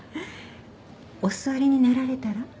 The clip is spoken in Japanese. お座りになられたら？